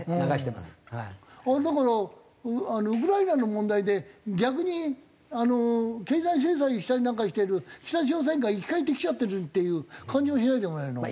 あれだからウクライナの問題で逆に経済制裁したりなんかしてる北朝鮮が生き返ってきちゃってるっていう感じがしないでもないよな。